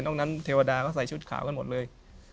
ตรงนั้นเทวดาก็ใส่ชุดขาวกันหมดเลย